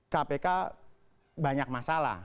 kpk banyak masalah